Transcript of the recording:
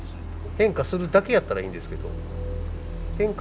変化するだけやったらいいんですけど変化